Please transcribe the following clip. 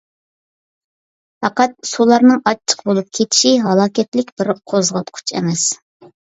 پەقەت سۇلارنىڭ ئاچچىق بولۇپ كېتىشى ھالاكەتلىك بىر قوزغاتقۇچ ئەمەس.